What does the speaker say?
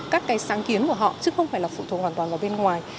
các cái sáng kiến của họ chứ không phải là phụ thuộc hoàn toàn vào bên ngoài